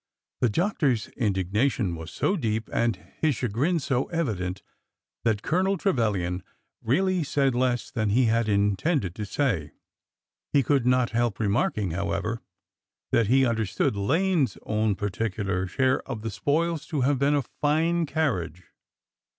The doctor's in dignation was so deep and his chagrin so evident that Colonel Trevilian really said less than he had intended to say. He could not help remarking, however, that he un 200 BORDER WARFARE BEGINS 201 derstood Lane's own particular share of tne spoils to have been a fine carriage.